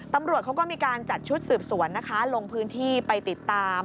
ตำรวจเขาก็มีการจัดชุดสืบสวนนะคะลงพื้นที่ไปติดตาม